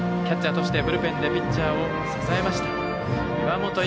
キャッチャーとしてブルペンでピッチャーを支えました。